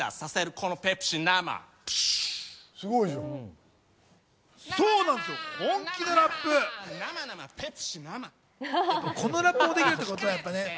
このラップもできるってことはね。